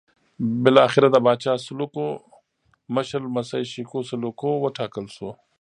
بالاخره د پاچا سلوکو مشر لمسی شېکو سلوکو وټاکل شو.